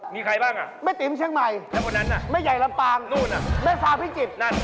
มีใครบ้างอ่ะแม่ติ๋มเชี่ยงใหม่แม่ไยรำปางแม่ฟ้าพิกจิต